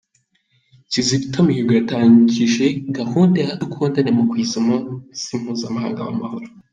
Kizito Mihigo yatangaje gahunda Yadukundane mu kwizihiza umunsi mpuzamahanga w’amahoro